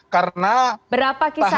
karena tahapan tahapan tahapan